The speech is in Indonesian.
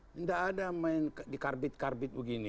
tidak ada main dikarbit karbit begini